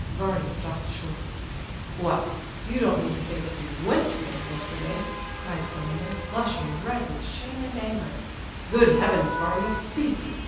Varia stopped short. "What? You don't mean to say that he went there yesterday!" cried Gania, flushing red with shame and anger. "Good heavens, Varia! Speak!